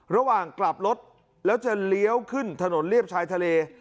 ระหว่างกลับรถแล้วจะเลี้ยวขึ้นถนนเรียบชายทะเล